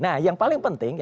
nah yang paling penting